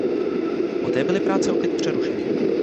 Poté byly práce opět přerušeny.